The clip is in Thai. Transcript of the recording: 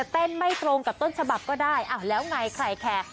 ไม่ตรงกับต้นฉบับก็ได้อ้าวแล้วไงใครแคร์